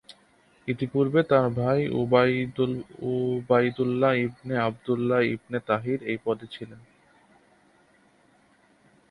ইতিপূর্বে তার ভাই Ubaidullah ibn Abdullah ibn Tahir এই পদে ছিলেন।